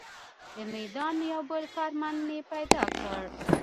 د میدان یو بل کارمند مې پیدا کړ.